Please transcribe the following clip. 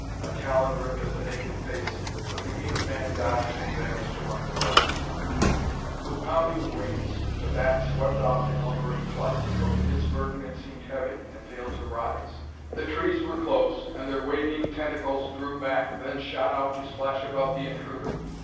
A talon ripped at the naked face, but the ape man dodged and vanished among the rocks. With pounding wings, the bat swept off in lumbering flight, but with its burden it seemed heavy, and failed to rise. The trees were close, and their waving tentacles drew back, then shot out to splash about the intruder.